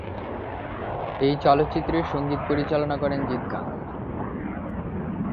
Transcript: এই চলচ্চিত্রের সংগীত পরিচালনা করেন জিৎ গাঙ্গুলী।